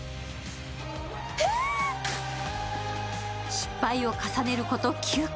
失敗を重ねること９回。